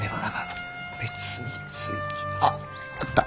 あっあった。